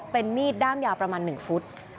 เป็นมีดด้ามยาประมาณหนึ่งฟุต